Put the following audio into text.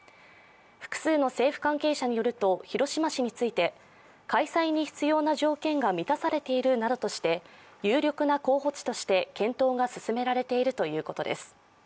複数の政府関係者によると、広島市について開催に必要な条件が満たされているなどとして有力な候補地として検討が進められているということです。